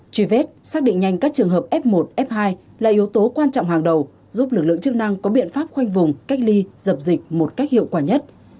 truy vết xác định nhanh các trường hợp f một f hai là yếu tố quan trọng hàng đầu giúp lực lượng chức năng có biện pháp khoanh vùng cách ly dập dịch một cách hiệu quả nhất